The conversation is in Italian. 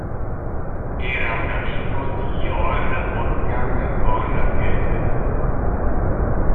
Era un amico di Johann Wolfgang von Goethe.